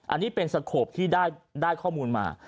อันนี้เป็นสโขปที่ได้ข้อมูลมา